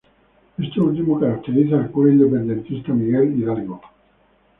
Este último caracteriza al cura independentista Miguel Hidalgo.